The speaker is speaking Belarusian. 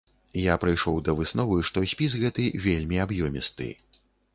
Я прыйшоў да высновы, што спіс гэты вельмі аб'ёмісты.